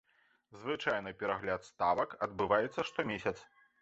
Звычайна перагляд ставак адбываецца штомесяц.